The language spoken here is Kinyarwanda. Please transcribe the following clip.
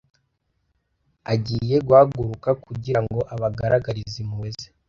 agiye guhaguruka, kugira ngo abagaragarize impuhwe ze,